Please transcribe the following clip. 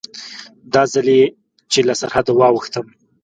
دا ځل چې له سرحده واوښتم.